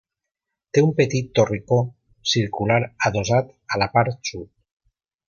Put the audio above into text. Té un petit torricó circular adossat a la part sud.